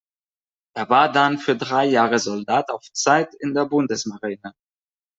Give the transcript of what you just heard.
Er war dann für drei Jahre Soldat auf Zeit in der Bundesmarine.